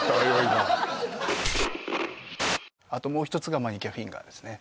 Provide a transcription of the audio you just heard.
今あともう一つがマニキュアフィンガーですね